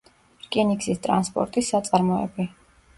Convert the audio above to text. რკინიგზის ტრანსპორტის საწარმოები.